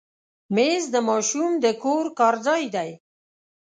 مېز د ماشوم د کور کار ځای دی.